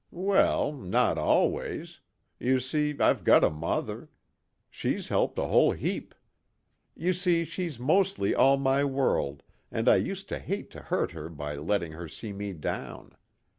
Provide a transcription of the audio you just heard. "Well not always. You see, I've got a mother. She's helped a whole heap. You see, she's mostly all my world, and I used to hate to hurt her by letting her see me down.